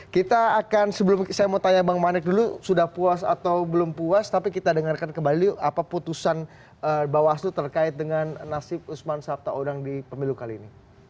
kita akan sebelum saya mau tanya bang manek dulu sudah puas atau belum puas tapi kita dengarkan kembali apa putusan bawaslu terkait dengan nasib usman sabta odang di pemilu kali ini